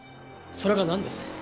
それが何です？